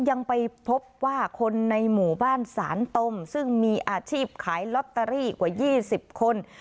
ยังไปพบว่าคนในหมู่บ้านสานตมซึ่งมีอาชีพขายลอตเตอรี่กว่า๒๐คน